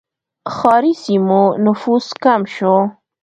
ښاري سیمو نفوس کم شو.